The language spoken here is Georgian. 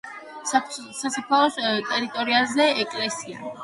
სასაფლაოს ტერიტორიაზეა ეკლესია.